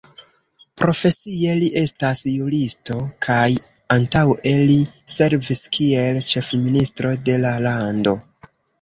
Profesie li estas juristo kaj antaŭe li servis kiel ĉefministro de la lando.